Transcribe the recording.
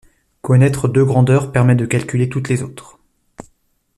Connaître deux grandeurs permet de calculer toutes les autres.